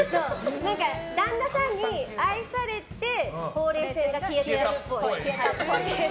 旦那さんに愛されてほうれい線が消えたっぽい。